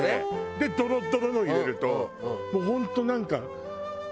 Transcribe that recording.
でドロドロのを入れるともう本当なんか。